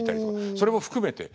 それも含めて。